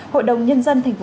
hội đồng nhân dân tp hcm